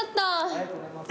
ありがとうございます。